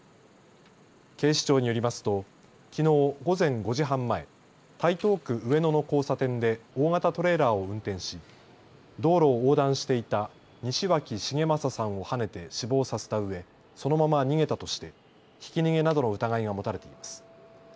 警視庁によりますときのう午前５時半前、台東区上野の交差点で大型トレーラーを運転し道路を横断していた西脇繁正さんをはねて死亡させたうえそのまま逃げたとしてひき逃げなどの疑いが持たれています。